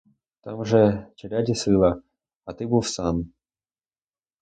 Там же челяді сила, а ти був сам.